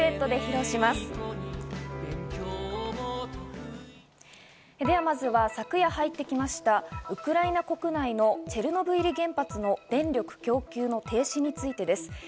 では、まずは昨夜入ってきましたウクライナ国内のチェルノブイリ原発の電力供給の停止についてです。